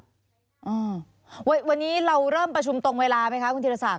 โอ้ววันนี้เราร่วมประชุมตรงเวลาไหมคะคุณธิรษัท